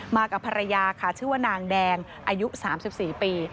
มากับภรรยาค่ะชื่อว่านางแดงอายุ๓๔ปี